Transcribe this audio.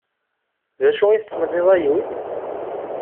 D acu i tettmenniḍ, ay ul?